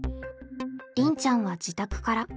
りんちゃんは自宅から。